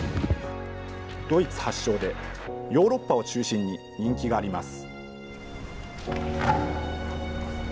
ドイツ発祥で、ヨーロッパを中心に人気があります。